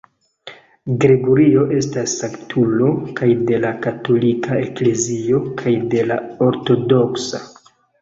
Gregorio estas sanktulo kaj de la katolika eklezio kaj de la ortodoksa.